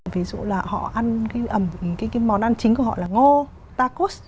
ví dụ là họ ăn cái món ăn chính của họ là ngô tacos